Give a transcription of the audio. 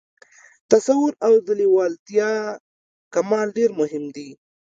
تصور او د لېوالتیا کمال ډېر مهم دي